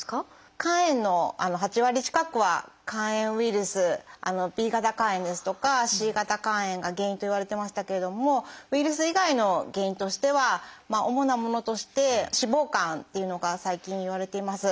肝炎の８割近くは肝炎ウイルスＢ型肝炎ですとかＣ型肝炎が原因といわれてましたけれどもウイルス以外の原因としては主なものとして脂肪肝というのが最近いわれています。